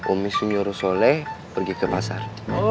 om isu nyuruh soleh pergi ke pasar